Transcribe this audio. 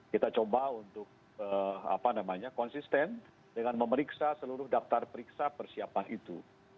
kita coba untuk konsisten dengan memeriksa seluruh daftar periksa persiapan itu